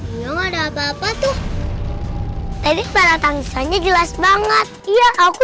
belum ada apa apa tuh tadi para tangsanya jelas banget iya aku